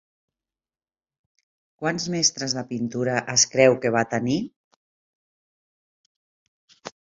Quants mestres de pintura es creu que va tenir?